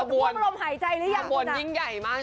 บวนยิ่งใหญ่มาก